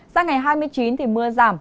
sao ngày hai mươi chín thì mưa giảm